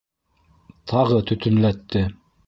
Тағы төтөнләтте.